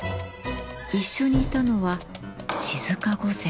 一緒にいたのは静御前。